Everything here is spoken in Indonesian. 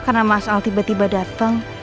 karena mas al tiba tiba dateng